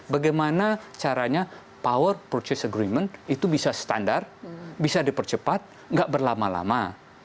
bagaimana caranya power proces agreement itu bisa standar bisa dipercepat nggak berlama lama